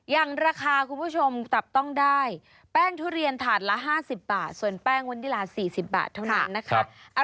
อย่างราคาคุณผู้ชมตับต้องได้แป้งทุเรียนถาดละ๕๐บาทส่วนแป้งวันนี้ละ๔๐บาทเท่านั้นนะคะ